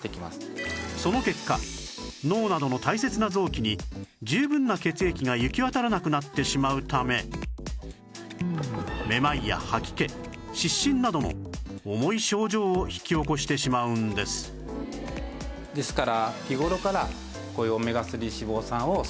その結果脳などの大切な臓器に十分な血液が行き渡らなくなってしまうためめまいや吐き気失神などの重い症状を引き起こしてしまうんですですから。